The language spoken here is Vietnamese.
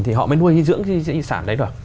thì họ mới nuôi dưỡng di sản đấy được